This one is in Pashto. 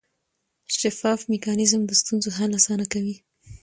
شفاف میکانیزم د ستونزو حل اسانه کوي.